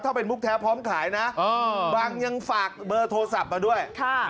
ถ้าเป็นมุกแท้พร้อมขายนะบังยังฝากเบอร์โทรศัพท์มาด้วย